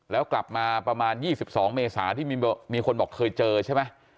แล้วกลับมาประมาณ๒๒เมษาที่มีคนบอกเคยเจอใช่ไหม